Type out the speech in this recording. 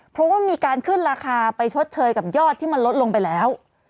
เพราะว่ามีการขึ้นราคาไปชดเชยกับยอดที่มันลดลงไปแล้ว